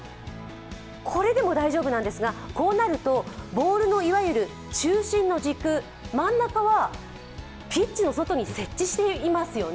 これでも大丈夫なんですがこうなるとボールのいわゆる中心の軸、真ん中はピッチの外に接地していますよね。